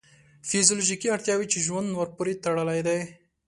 فیزیولوژیکې اړتیاوې چې ژوند ورپورې تړلی دی.